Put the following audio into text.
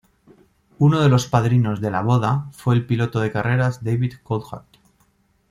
Uno de los padrinos de la boda fue el piloto de carreras, David Coulthard.